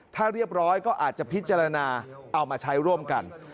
ถ้าเรียบร้อยก็อาจจะพิจารณาเอามาใช้ร่วมกัน